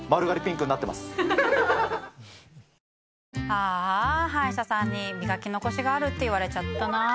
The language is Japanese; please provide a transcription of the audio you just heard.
ああ歯医者さんに磨き残しがあるって言われちゃったな。